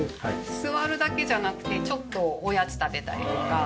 座るだけじゃなくてちょっとおやつ食べたりとか使えるように。